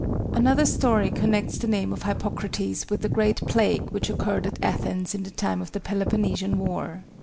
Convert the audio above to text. Another story connects the name of Hippocrates with the Great Plague which occurred at Athens in the time of the Peloponnesian war.